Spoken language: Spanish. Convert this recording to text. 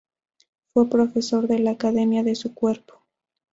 Fue profesor de la Academia de su cuerpo.